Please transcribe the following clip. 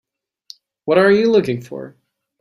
What are you looking for?